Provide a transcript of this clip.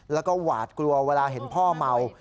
แล้วก็หวาดกลัวเวลาเห็นพ่อเมา